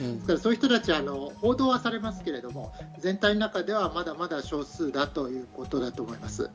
そういう人たちは報道はされますけど全体の中ではまだ少数だということだと思います。